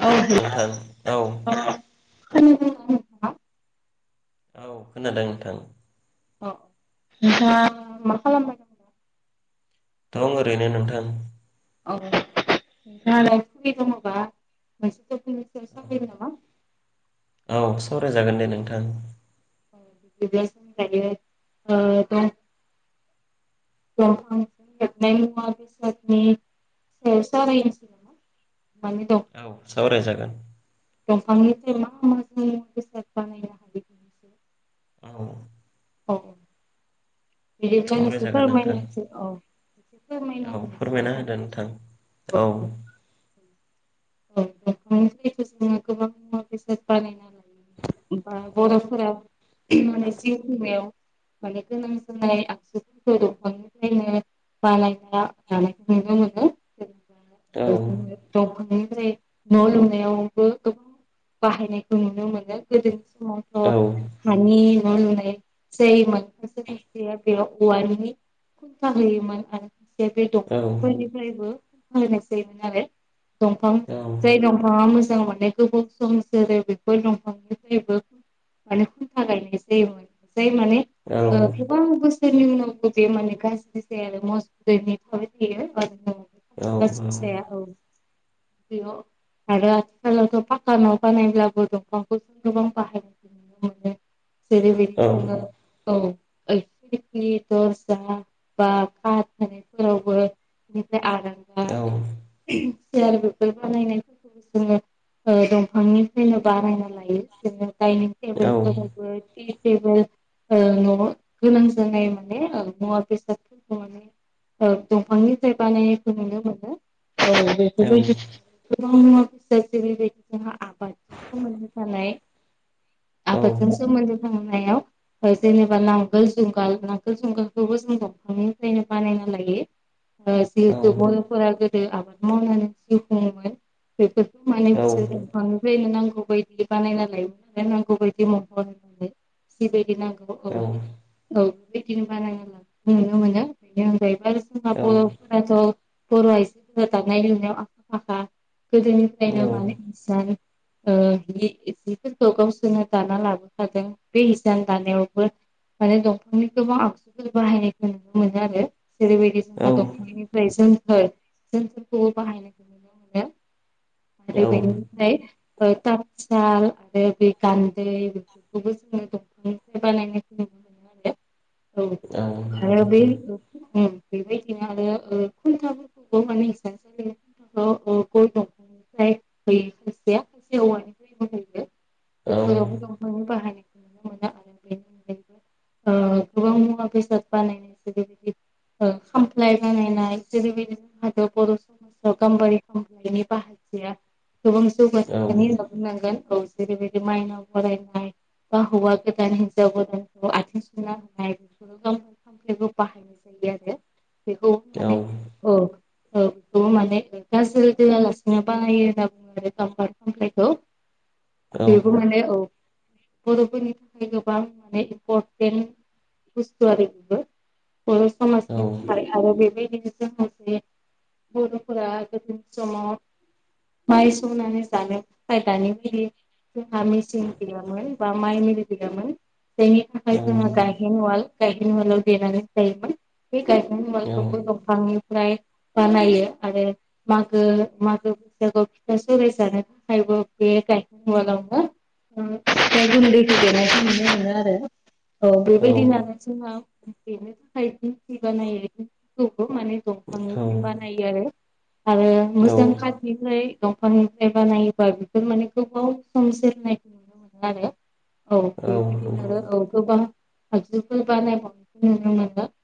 औ हेल' नोंथां औ। [unintelligible] औ खोनादों नोंथां। अ नोंथाङा मा खालामदों? दं ओरैनो नोंथां। [unintelligible] औ सावरायजागोन दे नोंथां। [unintelligible] [unintelligible] मानि दं। औ सावरायजागोन। दंफांनिफ्राय मा मा जों बेसाद बानायनो हा औ। औ। बिदिब्लानोसो सावरायजागोन नोंथां फोरमायनोसै औ। औ फोरमायना होदो नोंथां औ [unintelligible] [unintelligible] [unintelligible] [unintelligible] बानायायना [unintelligible] जानायखौ नुनो मोनो औ जेनेबा [unintelligible] [unintelligible] न' लुनायावबो गोबां बाहायनायखौ नुनो मोनो गोदोनि समाव। औ हानि मोन [unintelligible] खथ हो म [unintelligible] एसे बे औ दंफांफोरनिफ्रायबो फनाय जायोमोन आरो दंफां [unintelligible] औ जाय दंफाङा मोजां मोने गोबाव सम सोरो बेफोर दंफांनिफ्रायबो [unintelligible] जायोमोन जाय माने औ ओ बबा हसार नि न बेे मान गास दस मस [unintelligible] बसाया औ [unintelligible] बेयाव आरो आथिखालावथ' फाकानाव बानायब्लाबो दंफांखौ जों गोबां बाहाययो। औ औ [unintelligible] औ। [unintelligible] [unintelligible] औ। ज आरो बे [unintelligible] [unintelligible] बानायनायफोरखौबो जोङो दंफांनिफ्रायनो बानायायना लायो जोङो दाइनिं [unintelligible] ओ- न'आव गोनां जानाय माने ओ- मुवा बेसादफोरखौ माने औ- दंफांनिफ्राय बानायनायखौ नुनो मोनो औ बेफोरबायदि गोबां [unintelligible] फिससो बेबायदि जोंहा आबादजों सोमोन्दो [unintelligible] थानाय। आबादजों सोमोन्दो थांनायाव। जेनेबा नांगोल जुंगाल नांगोल जुंगालखौबो जों दंफांनिफ्रायनो बानायना लायो। ओ- जिहेतु बर'फोरा गोदो आबाद मावनानै जिउ खुङोमोन। बेफोरखौ माने बिसोरो दफांनिफ्रायनो नांगौ बायदि बानायना लायो। नांगौ बायदि मावबानो नाय जिबायदि नांगौखौ औ बेबायदिनो बानायनाय नुनो मोनो बेनि अनगायैबो जोंहा बर'फोराथ' बर' आइजोफोरा दानाय लुनायाव आखा फाखा गोदोनिफ्रायनो माने इसान ओ जिफोरखौ गावसोरनो दाना लाबोखादों बे हिसान दानायावबो माने दंफांनि गोबां आगजु बाहायनायखौ नुनो मोनो आरो जेरैबायदि जोंहा दंफांनिफ्राय सोमखोर जों जोंखौबो बाहायनायखौनो नुनो मोनो आरो बेनो ओमफ्राय ओ तातसाल आरो बे गान्दै बेखौबो जोङो दंफांनिफ्राय बानायनायखौ नुनो मोनो आरो। औ- आरो बे नोंथां। बेबायदिनो आरो ओ खुन्थाफोरखौबो माने इसान सालिआव गय दंफांनिफ्राय होयो खायसेया खायसे औवानिफ्रायबो हैयो। औ बेफोरावबो दंफां बाहायनायखौ नुनो मोनो आरो बेनि अनगायैबो ओ - [unintelligible] खामफ्लाय बानायनाय जेरैबायदि जों बर [unintelligible] गाम्बारि खामफ्लायनि बाहानाया सुबुं जौगाखांनायनि उनाव औ। जेरै बिदि माइनाव बरायनाय। बा हौवा गोदान हिनजाव गोदानखौ आथिं सुना होनाय बे गावामखौ बाहायनाय बिदि आरो बिखौ औ माने औ माने गाजोल दोआ लासिनो बाहायो होन्ना बुङो बे गाम्बारि खामफ्लायखौ। औ बेबो माने औ। बर'फोरनि थाखाय गोबां माने इम्परटेन्ट बुस्थु आरो बेबो। बर' औ समाजनिफ्राम आरो बेबादिनो लोगोसे बर ओ गोदोनि समाव माइ सौनानै जानो थाखाय दानि बादि जोंहा मिसिं गैयामोन बा माइ मिल गैयामोन। जायनि थाखाय जोंहा गायहेन उवाल गाहेन उवालाव देनानै जायोमोन। बे गायहेन औ उवालखौबो दंफांनिफ्राय बानायो। आरो मागो मागो फोरबोआव फिथा सौराय जागोन। थाखायबो बे गायहेन उवालावनो ओ फिथा गुनदैखौ देनायखौ नुनो मोनो आरो। औ बेबायदि [unintelligible] दंफांनिफ्राय बानायो आरो आरो औ मोजां नंगौ काटनिफ्राय दंफांनिफ्राय बानायोबा बेफोर माने गोबाव सम जोरनायखौ नुनो मोनो आरो। औ बेबायदिनो औ गोबां आगजुफोर बानायबावनाय नुनो मोनो। [inaudible]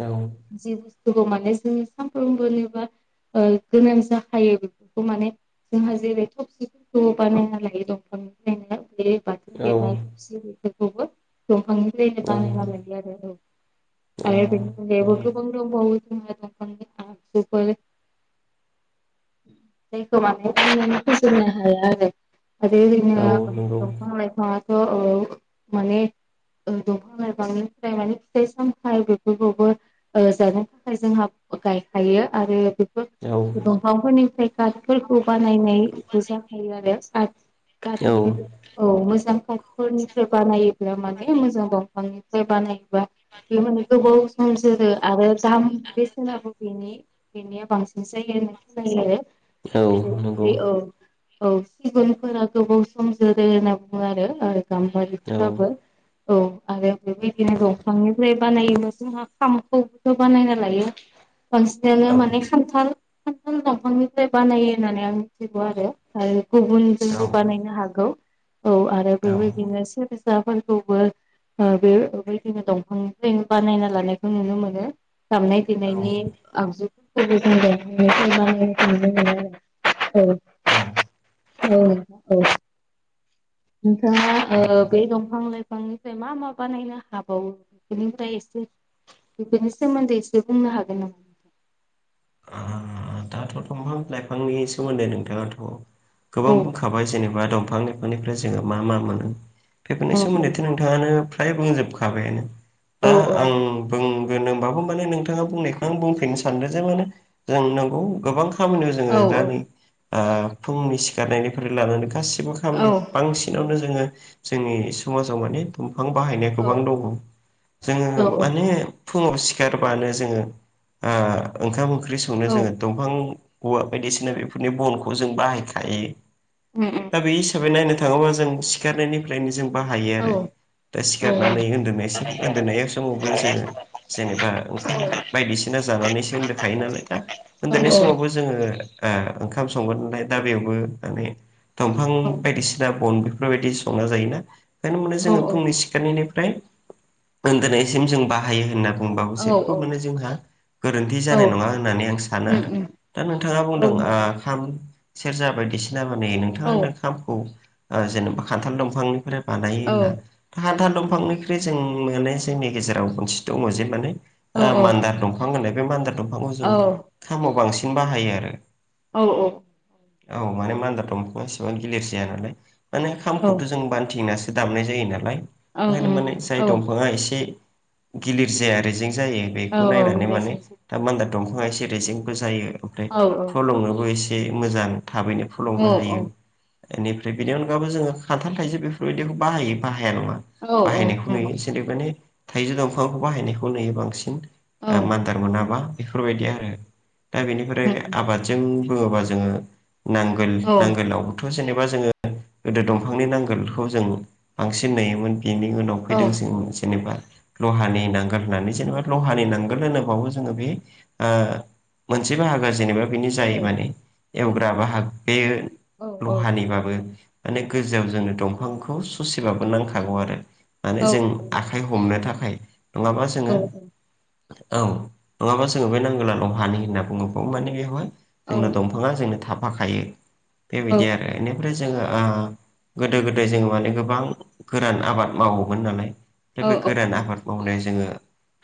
औ जि बुस्थुखौ माने जों सानफ्रोमबोनि ओ गोनां जाखायो बेफोरखौ माने जोंहा जेरै थबसिफोरखौ बानायना लायो दंफांनिफ्रायनो। बे बाथोन औ देनाय थबसि बेफोरखौबो दंफांनिफ्रायनो बानायना लायो आरो। औ आरोे बेनि औ अनगायैबो गोबां दंबावो जोंहा माखासे आगजु। जायखौ माने बुंनानै फोजोबनो हाया आरो। आरो इदिनो नंगौ औ दंफां लाइफाङाथ ओ माने ओ दंफां लाइफांनिफ्राय माने फिथाइ सामथाइ बेफोरखौबो ओ जानो थाखाय जोंहा गायखायो आरो बेफोर औ दंफांफोरनिफ्राय आर्ट फोरखौ बानायनायबो जाखायो आरो आर्ट। औ औ कातनि। औ मोजां काटफोरनिफ्राय बानायोब्ला माने मोजां दंफांनिफ्राय बानायोबा बे माने गोबाव सम जोरो आरो दाम बेसेनाबो बेनि बेनिया बांसिन जायो होननानै खोनायो आरो जेरैबायदि औ। औ सिगुनफोरा गोबाव सम जोरो होनना बुङो आरो ओ गामारिफोराबो [inaudible] औ आरो बेबायदिनो दंफांनिफ्राय बानायोबा जोंहा खाम खौबोथ बानायना लायो बांसिनानो माने खान्थाल खान्थाल दंफांनिफ्राय बानायो होननानै आं मिथिगौ आरो गुबुनजोंबो औ औ बानायनो हागौ औ आरो नंगौ। बेबायदिनो सेरजाफोरखौबो ओ बे बेबायदिनो दंफांनिफ्रायनो बानायना लानायखौ नुनो मोनो दामनाय ओ देनायनि आगजुफोरखौबो जों दंफांनिफ्राय बानायनाय नुनो मोनो आरो औ [inaudible] औ औ नोंथाङा ओ बे दंफां लाइफांनिफ्राय मा मा बानायनो हाबावो बेनिफ्राय एसे बेफोरनि सोमोन्दै एसे बुंनो हागोन नामा दाथ' दंफां लाइफांनि सोमोन्दै नोंथाङाथ गोबां औ बुंखाबाय जेनेबा दंफांनि निफ्राय जोङो मा मा मोनो बेफोरनि सोमोन्दैथ औ नोंथाङानो फ्राय बुंजोबखाबायनो औ दा आं बुंगोन होनबाबो माने नोंथाङा बुंनायखौ आं बुंफिननो सानदों जे माने जों नोंगौ गोबां खामानियाव जोङो औ दा नै ओ फुंनि सिखारनायनिफ्राय लानानै गासिब बो औ खामानियाव बांसिनावनो जोङो जोंनि समाजाव माने दंफां बाहायनाय गोबां दङ जोङो औ औ माने फुङाव सिखारबानो जोङो ओंखाम ओ ओंख्रि संनो औ औ जोङो दंफां औवा बायदिसिना बेफोरनि बनखौ जों बाहायखायो उम उम दा बे हिसाबै नायनो थाङोब्ला जों सिखारनायनिफ्रायनो जों बाहायो आरो दा उम उम औ सिखारनानै उन्दुनाय सिम उन्दुननाय समावबो जोङो जेनेबा ओंखाम बायदिसिना जानानै सो उन्दुखायो नालाय दा औ उन्दुनाय समावबो जोङो ओ ओंखाम संगोन नालाय दा बेयावबो ओ बे दंफां औ औ बायदिसिना बन बेफोरबायदि संना जायोना बेखायनो माने जोङो औ फुंनि सिखार नायनिफ्राय उन्दुनायसिम जों बाहायो होननानै बुंबाबो औ जेबो माने जोंहा गोरोन्थि जानाय नङा होननानै आं सानो उम आरो उम दा नोंथाङा बुंदों औ नंगौ खाम सेरजा बायदिसिना माने नोंथाङा होनदों खामखौ जेनेबा खान्थाल दंफांनिफ्राय बानायो औ ना हान्थाल दंफांनिख्रुइ जों माने जोंनि गेजेराव खनसे दङ जे माने औ मान्दार दंफां दंफां मानदार बे मानदार दंफांखौ औ ओं जों खामाव बांसिन बाहायो आरो औ औ औ माने मान्दार दंफआ एसेबां गिलिर जाया नालाय माने खामखौथ' जों बान्थिंनासग दामनाय जायो नालाय ओंखायनो माने ओं जाय औ दंफाङा एसे गिलिर जाया आरो जेंं जायो औ बेखौ औ नायनानै माने रेजेंसो दा मान्दार दंफाङा एसे रेजेंग जायो ओमफ्राय औ औ फलंनोबो एसे मोजां थाबैनो फ खुलुंनो औ हायो औ बेनिफ्राय बेनि अनगाबबो जोङो खान्थाल थाइज बेफोरबायदिखौ बाहायो बाहाया नङा औ औ औ औ बाहायनायखौ नुयो औ जेरै माने थाइजौ दंफांखौ बाहायनायखौ नुयो बांसिन औ मान आद मोना बेफोरबायदि आरो दा बेनिफ्राय आबाद जों बुङोबा जोङो नांगोल नांगोलाव थ' जेनेबा जोङो गोदो दंफांनि नांगोलखौ जों बांसिन नुयोमोन बेनि उनाव सफैदों जों जेनेबा लहानि नांगोल होननानै जेनेबा लहानि नांगोल होनोबावो जोङो बे मोनसे ज हागा जेनेबा बेनो जायो माने एवग्रा बा हाग बे लहानिबाबो माने गोजौआव जोंनो दंफांखौ ससेबाबो नांखागौ आरो माने जों आखाइ हमनो थाखाय नङाबा जोङो औ नङाबा जोङो बे नांगौलालं हानि होनना बुङोबाव माने बेवहाय जोंनो दंफां गोबां जोंनो थाफाखायो बेबायदि आरो बेनिफ्राय जोङो ओ गोदो गोदाय जों माने गोबां गोरान आबाद मावोमोमोन नालाय बे बे गोरान आबाद मावनाय जोङो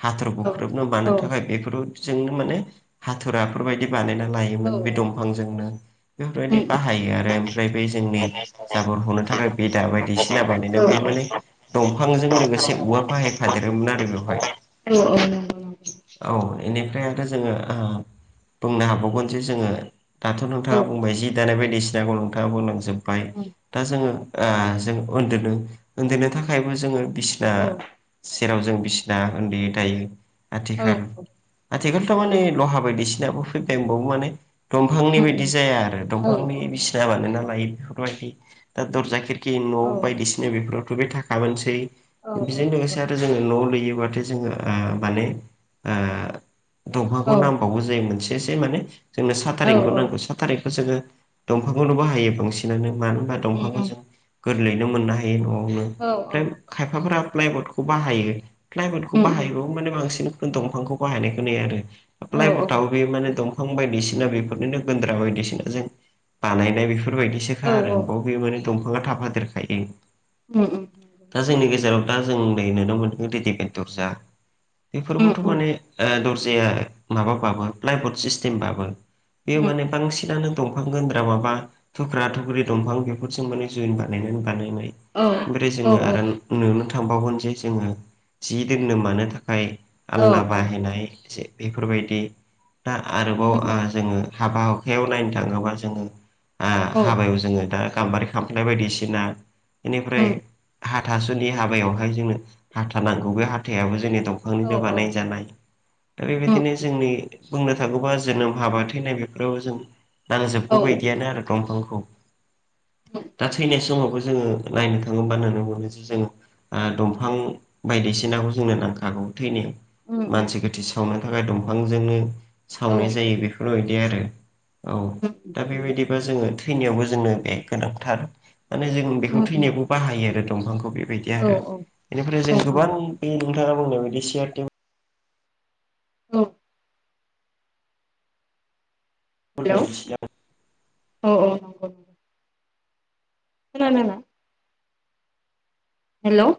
हाथर बुख्रुबनो मानो थाखाय बेफोर जोंनो माने हाथुराफोरबायायदि बानायना लायोमोन बे दंफांजोंनो बेफोरबायदि बाहायो आरो ओमफ्राय बे जोंनि जाबर हनो थाखाय बेदा बायदिसिना बानायनायाव बे माने दंफांजों लोगोसे औवा फाहायफादेरोमोन आरो बेवहाय औ औ औ इनिफ्राय आरोथ' जोङो ओ बुंनो हाबावगोन जे जोङो दाथ' नोंथाङा बुंबाय जि दानाय बायदिसिनाखौ नोंथाङा बुंलांजो जोब्बाय औ औ दा जोङो ओ जों उन्दुनो उन्दैनो थाखायबो जोङो बिसिना नंगौ सेराव जों बिसिना उन्दै दायो। आथिखाल आथिखाल थ' माने लहा बायदिसिनाफोर बायबो माने दंफांनि नंगौ बायदि जाया आरो औ दंफांनि बिस जा बानायना लायो बेफोरबादि दा दरजा खिरखि न' बायदिसिना बेफोरावथ' बे थाखामानोसै औ औ बेजों लोगोसे आरो जोङो न' लुयोबथाय जोङो ओ माने ओ दंफांखौ नांबावौ जायो मोनसेससे माने जोंनो औ साथारेंखौ नांगौ सा थारिखखौ जोङो दंफांखौनो बाहायो बांसिनानो मानो होनबा दंफांखौ जों गोरलैनो मोननो हायो न'आवनो ओमफ्राय खायफाफोरा प्लाइबडखौ बाहायो। प्लाइबर्डखौ औ औ बाहायबाबो माने बांसिन दंफांखौ बाहायनायखौ नुयो आरो प्लइबर्डाबो बे माने दंफां बायदिसिना बेफोरनिनो गन्द्रा बायदिसिना जों बानायनाय बेफोरबायदि बेसोखा आरो बाव बे माने दंफाङा थाफ देरखायो। उम उम दा जोंनि गेजेराव दा जों नै नुनो मोनदों रेडिमेट दरजा बेफोरबोथ' माने दर्जाया माबाबाबो प्लाइबर्ड सिस्टेमबाबो बेयो माने बांसिनानो दंफां गोन्द्रा माबा थुख्रा थुख्रि दंफां बेफोरजों माने जुइन बानायनानै बानायनाय। ओमफ्राय जोङो आरो नुनो थांबावगोन जे जोङो जि दोननो मानो थाखाय आलना बाहायनाय से बेफोरबायदि दा आरोबाव ओ जोङो हाबा हुखायाव नायनो थाङोबा जोङो ओ औ हाबायाव जोङो दा गाम्बारि खामफ्लाय बायदिसिना औ बेनिफ्राय हाथासुनि हाबायावहाय जोंनो हाथा नांगौ बे हाथायाबो जोंनि दं औ निनो बानाय जानाय दा बेबायदिनो उम जोंनि बुंनो थाङोबा जोनोम हाबा थैनाय बेफोराव जों औ नांजोबगौ बायदियानो आरो दंफांखौ। दा थैनाय समावबो जोङो नायनो थाङोबा नुनो मोनो जे जोङो ओ दंफां बायदिसिनाखौ जोंनो नांखागौ थैनायाव। उम उम मानसि गोथै सावनो थाखाय दंफांजोंनो औ सावनाय जायो बेफोरबायदि आरो औ उम दा बेबायदिबा जोङो थैनायावबो जोंनो बे गोनांथार। माने जों बेखौ उम थैनायावबो बाहायो आरो दंफांखौ बेबायदि औ आरो बेनिफ्राय औ जों गोबां नंगौ बे नोंथाङा बुंनाय बायदि सियार टेबोल औ हेलौ फोरखौ नुसै आरो औ औ नंगौ खोनादों ना? हेल'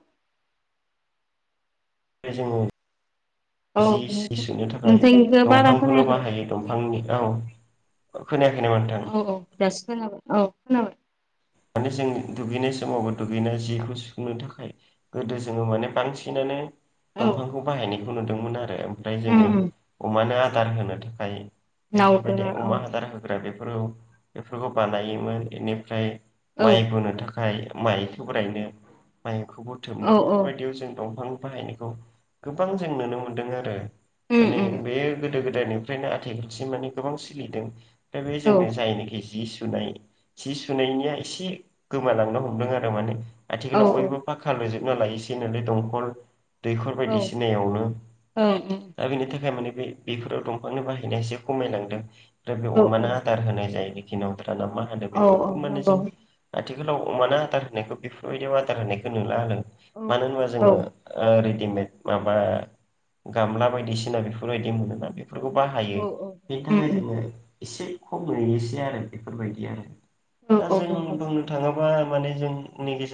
बे जोङो औ जि सि सुनो थाखाय नोंथांनिखौ बारा दंफांखौनो खोनायाखै बाहायो। दंफांनि औ खोनायाखै नामा नोंथां? औ औ दासो खोनाबाय औ खोनाबाय माने जों दुगैनाय समावबो दुगैनाय जिखौ सुनो थाखाय गोदो जोङो माने बांसिनानो औ दंफांखौ बाहायनायखौ नुदोंमोन आरो ओमफ्राय उम जोङो उम अमानो आदार होनो थाखाय। बेफोरबायदि नावदोंङो औ अमा [unintelligible] [unintelligible] बेफोरखौ बानायोमोन बेनिफ्राय औ माइ बोनो थाखाय गाय माइखौ लायनो माइखौ औ बुथुमनो औ बेफोरबायदियाव जों दंफां बाहायनाय गोबां जों नुनो मोनदों आरो उम माने उम बे गोदो गोदायनिफ्रायनो आथिखालसिम माने गोबां सोलिदों दा बे औ जोंनि जायनाखि जि सुनाय। सि सुनायनिया एसे गोमालांनो हमदों आरो माने औ आथिखालाव औ बयबो फाखा लुजोबना लायोसेै नालाय दंखल दैखर औ ओं बायदिसिनायावनो ओं दा बिनि थाखाय माने बे बेफोराव दंफांनि बाहायनाया एसे खमायलांदों। [unintelligible] औ अमानो आदार होनाय जायो बेखि नावद्रा नामा। औ औ नंगौ। आथिखालाव अमानो आदार होनायखौ बेफोरबायदियाव आदार होनायखौ नुला होदों औ मानो होनबा जोङो ओ रेडिमेड माबा गामला बायदिसिना बेफोरबायदि मोनोना बेफोरखौ बाहायो औ औ बेनि उम थाखाय उम जोङो एसे खम नुयोसै आरो बेफोरबायदि आरो। औ दा औ जों नंगौ बुंनो थाङोबा माने जोंनि गेजेराव